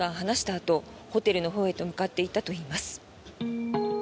あとホテルのほうへと向かっていったといいます。